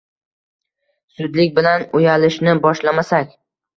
Zudlik bilan uyalishni boshlamasak